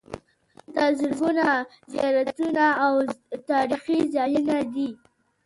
دلته زرګونه زیارتونه او تاریخي ځایونه دي.